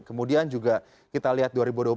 kemudian juga kita lihat dua ribu dua puluh empat